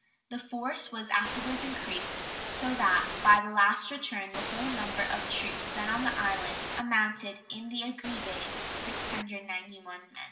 The force was afterwards increased, so that by the last return the whole number of troops then on the island amounted in the aggregate to 691 men.